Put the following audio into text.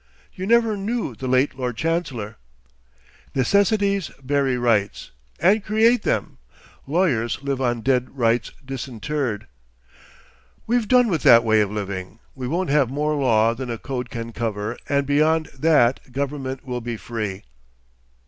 You never knew the late Lord Chancellor.... 'Necessities bury rights. And create them. Lawyers live on dead rights disinterred.... We've done with that way of living. We won't have more law than a code can cover and beyond that government will be free....